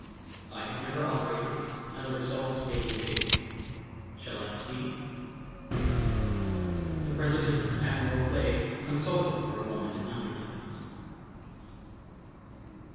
I have never operated and the result may be fatal. Shall I proceed?" The President and Admiral Clay consulted for a moment in undertones.